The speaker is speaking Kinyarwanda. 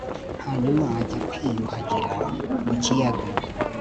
hanyuma ajya kwiyuhagira mu kiyaga